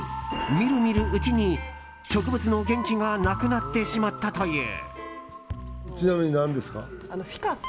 見る見るうちに植物の元気がなくなってしまったという。